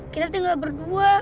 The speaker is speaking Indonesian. kita tinggal berdua